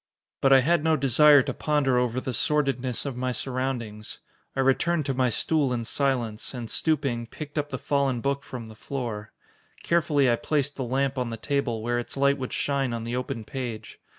But I had no desire to ponder over the sordidness of my surroundings. I returned to my stool in silence, and stooping, picked up the fallen book from the floor. Carefully I placed the lamp on the table, where its light would shine on the open page.